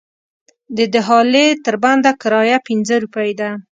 د دهالې تر بنده کرایه پنځه روپۍ ده.